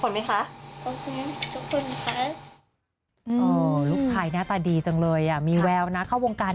ขนมเยอะขนาดนี้พี่เจ๋อยากจะขอบคุณไหม